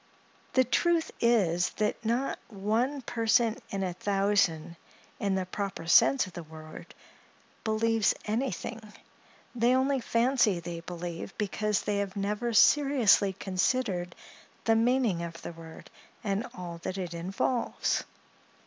The truth is, that not one person in a thousand, in the proper sense of the word, believes anything; they only fancy they believe, because they have never seriously considered the meaning of the word and all that it involves.